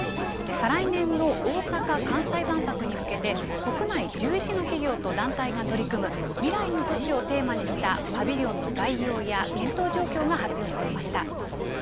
再来年の大阪・関西万博に向けて、国内１１の企業と団体が取り組む未来の都市をテーマにしたパビリオンの概要や検討状況が発表されました。